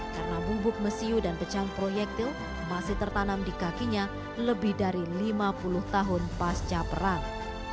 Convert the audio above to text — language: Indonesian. karena bubuk mesiu dan pecahan proyektil masih tertanam di kakinya lebih dari lima puluh tahun pasca perang